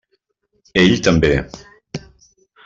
Ell també.